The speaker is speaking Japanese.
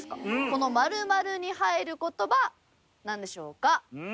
この○○に入る言葉何でしょうか？